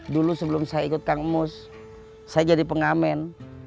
dulu sebelum saya ikut kang emus saya jadi pengamen